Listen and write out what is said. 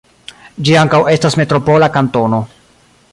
Ĝi ankaŭ estas metropola kantono.